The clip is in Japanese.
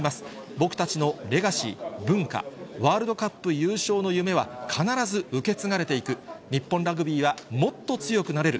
僕たちのレガシー、文化、ワールドカップ優勝の夢は必ず受け継がれていく、日本ラグビーはもっと強くなれる。